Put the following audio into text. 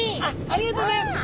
ありがとうございます。